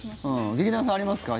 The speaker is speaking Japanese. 劇団さんありますか？